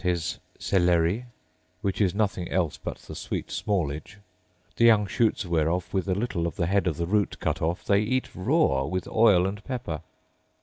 selleri (celery), which is nothing else but the sweet smallage; the young shoots whereof, with a little of the head of the root cut off, they eat raw with oil and pepper.